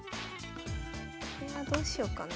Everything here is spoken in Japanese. これはどうしよっかな。